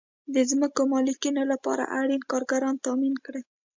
د ځمکو مالکینو لپاره اړین کارګران تامین کړئ.